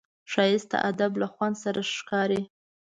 ښایست د ادب له خوند سره ښکاري